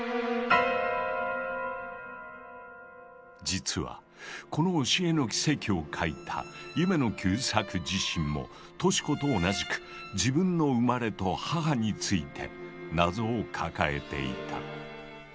実はこの「押絵の奇蹟」を書いた夢野久作自身もトシ子と同じく自分の生まれと母について謎を抱えていた。